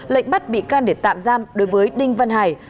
lệnh bắt bị can để tạm giam đối với đinh văn hải